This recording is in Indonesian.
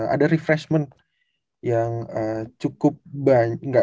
ada refreshment yang cukup banyak